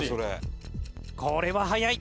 「これは早い！